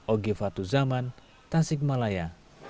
oge fatu zaman tasikmalaya